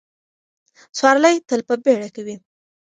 سوارلۍ تل په بیړه کې وي.